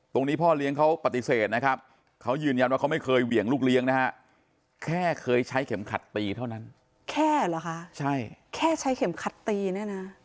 พ่อเลี้ยงเขาปฏิเสธนะครับเขายืนยันว่าเขาไม่เคยเหวี่ยงลูกเลี้ยงนะฮะแค่เคยใช้เข็มขัดตีเท่านั้นแค่เหรอคะใช่แค่ใช้เข็มขัดตีเนี่ยนะ